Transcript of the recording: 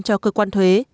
cho cơ quan thuế